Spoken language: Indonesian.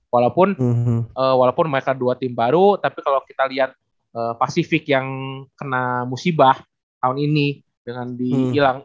walaupun mereka dua tim baru tapi kalau kita lihat pasifik yang kena musibah tahun ini dengan di kilang